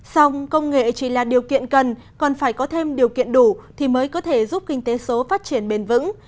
xong công nghệ chỉ là điều kiện cần còn phải có thêm điều kiện đủ thì mới có thể giúp kinh tế số phát triển bền vững